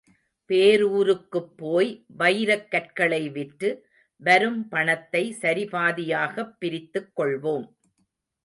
பேரூருக்குப்போய் வைரக் கற்களை விற்று, வரும் பணத்தை சரிபாதியாகப் பிரித்துக் கொள்வோம்.